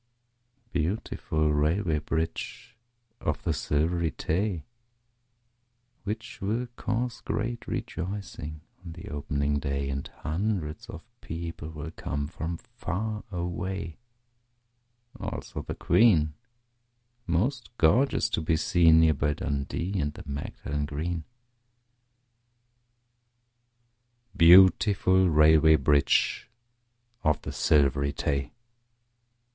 Beautiful Railway Bridge of the Silvery Tay ! Which will cause great rejoicing on the opening day And hundreds of people will come from far away, Also the Queen, most gorgeous to be seen, Near by Dundee and the Magdalen Green. Beautiful Railway Bridge of the Silvery Tay!